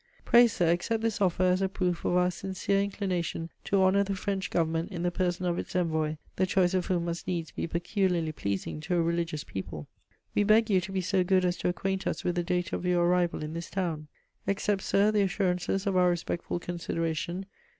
"Pray, sir, accept this offer as a proof of our sincere inclination to honour the French Government in the person of its envoy, the choice of whom must needs be peculiarly pleasing to a religious people. We beg you to be so good as to acquaint us with the date of your arrival in this town. "Accept, sir, the assurances of our respectful consideration.